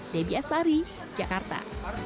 debbie astari jakarta